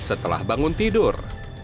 setelah bangun tidur